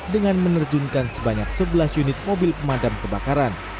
dengan menerjunkan sebanyak sebelas unit mobil pemadam kebakaran